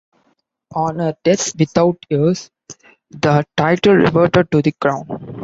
On her death without heirs, the title reverted to the crown.